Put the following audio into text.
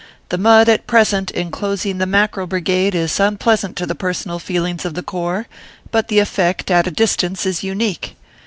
The mud at present inclosing the Mackerel Brigade is unpleasant to the personal feelings of the corps, but the effect at a distance is unique.